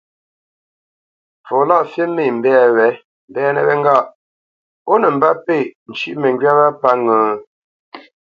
Fɔ Lâʼfî mê mbɛ̂ wě mbɛ́nə̄ wé ŋgâʼ ó nə mbə́pêʼ ncʉ́ʼ məŋgywá wá pə́ ŋə́ ?